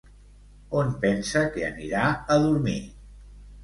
On pensa que anirà a dormir?